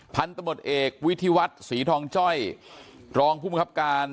พันธุ์ตำลดเอกวิทยาวัตรสีทองจ้อยรองผู้มีคับการ